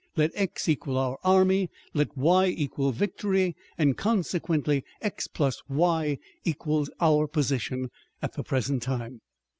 Let x equal our army, let y equal victory, and consequently x plus y equals our position at the present time."